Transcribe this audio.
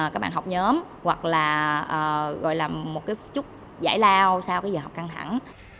các bạn học nhóm hoặc là một chút giải lao sau giờ học căng thẳng